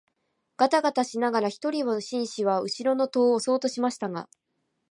がたがたしながら一人の紳士は後ろの戸を押そうとしましたが、